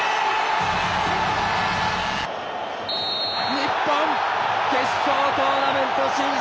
日本、決勝トーナメント進出。